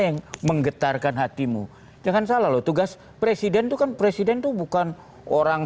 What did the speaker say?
yang menggetarkan hatimu jangan salah tugas presiden tukang presiden tuh bukan orang